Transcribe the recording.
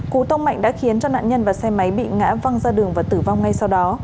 cú tông mạnh đã khiến cho nạn nhân và xe máy bị ngã văng ra đường và tử vong ngay sau đó